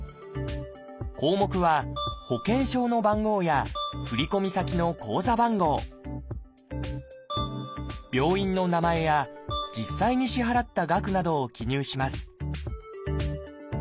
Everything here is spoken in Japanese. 項目は保険証の番号や振込先の口座番号病院の名前や実際に支払った額などを記入します